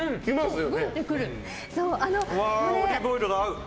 オリーブオイルが合う。